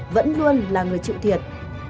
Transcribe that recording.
vẫn luôn là người chịu thiệt